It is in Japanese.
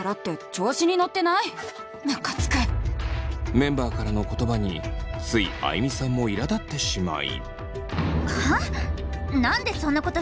メンバーからの言葉についあいみさんもいらだってしまい。